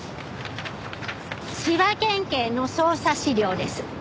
千葉県警の捜査資料です。